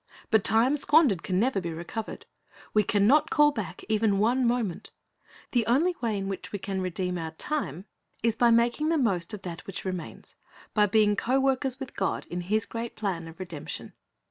But time squandered can never be recovered. We can not call back even one moment. The only way in which we can redeem our time is by making the most of that which remains, by being co workers with God in His great plan of redemption.